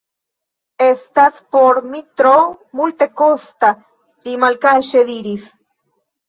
Estas por mi tro multekosta, li malkaŝe diris.